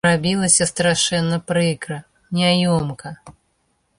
Рабілася страшэнна прыкра, няёмка.